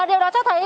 điều đó cho thấy